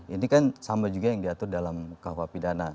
ini kan sama juga yang diatur dalam kawah pidana